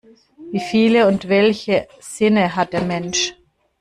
Wie viele und welche Sinne hat der Mensch?